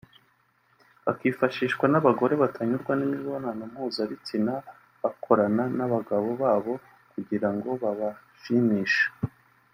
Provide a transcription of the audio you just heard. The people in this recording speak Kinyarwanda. bakifashishwa n’abagore batanyurwa n’imibonano mpuzabitsina bakorana n’abagabo babo kugira ngo babashimishe